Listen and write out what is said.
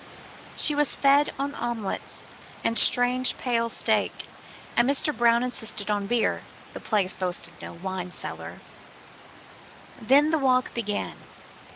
She was fed on omelettes and strange, pale steak, and Mr. Brown insisted on beer. The place boasted no wine cellar. Then the walk began.